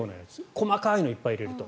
細かいのをいっぱい入れると。